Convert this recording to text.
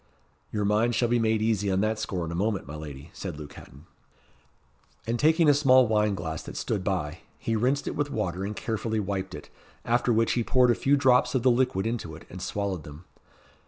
"Your mind shall be made easy on that score in a moment, my lady," said Luke Hatton. And taking a small wine glass that stood by, he rinsed it with water and carefully wiped it; after which he poured a few drops of the liquid into it and swallowed them.